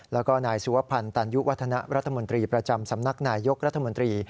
แล้วก็นายสุวพันธ์ตันยุวัฒนะรัฐมนตรีประจำสำนักนายยกรัฐมนตรี